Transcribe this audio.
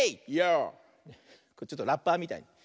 ちょっとラッパーみたい。